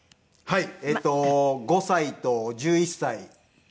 はい。